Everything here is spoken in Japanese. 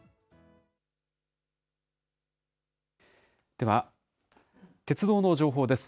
では、鉄道の情報です。